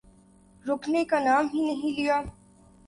رکنے کا نام ہی نہیں لیا۔